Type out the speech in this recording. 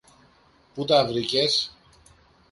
Πού τα βρήκες;